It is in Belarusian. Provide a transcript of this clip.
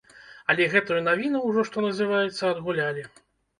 Але гэтую навіну ўжо, што называецца, адгулялі.